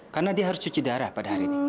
karena dia harus cuci darah pada hari ini